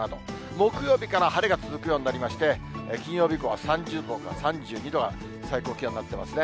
木曜日から晴れが続くようになりまして、金曜日以降は３０度から３２度が最高気温、なってますね。